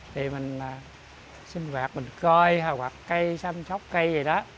thì mình sinh hoạt mình coi hoặc cây xanh sóc cây gì đó